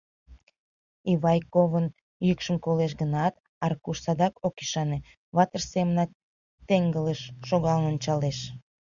Ивайковын йӱкшым колеш гынат, Аркуш садак ок ӱшане, ватыж семынак теҥгылыш шогалын ончалеш.